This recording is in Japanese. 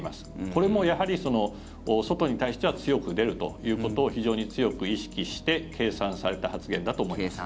これもやはり外に対しては強く出るということを非常に強く意識して計算された発言だと思います。